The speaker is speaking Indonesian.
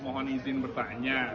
mohon izin bertanya